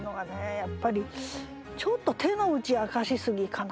やっぱりちょっと手の内明かしすぎかな。